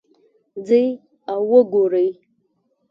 ځئ او وګورئ